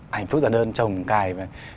hạnh phúc giả đơn chồng cài